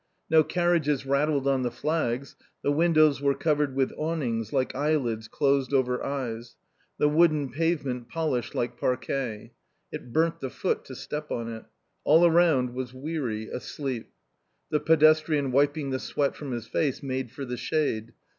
No carriages rattled on the flags ; the windows were covered with awnings like eyelids closed over eyes ; the wooden pavement polished like paraquet ; it burnt the foot to step on it. All around was weary, asleep. The pedestrian wiping the sweat from his face made for the shade.